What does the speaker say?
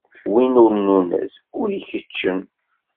Win ur nunez, ur ikeččem.